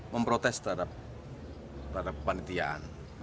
memprotes terhadap panitiaan